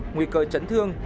nguy cơ chấn thương